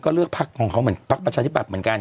ก็เลือกพักของเขาเหมือนพักประชาธิบัตย์เหมือนกัน